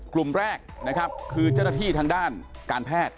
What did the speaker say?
กลุ่มแรกนะครับคือเจ้าหน้าที่ทางด้านการแพทย์